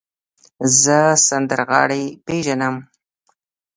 زه سندرغاړی پیژنم.